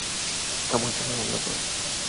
আমার জন্য রান্না করো।